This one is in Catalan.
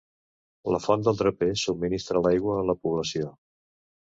La font del Draper subministra l'aigua a la població.